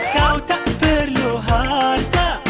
kau tak perlu harta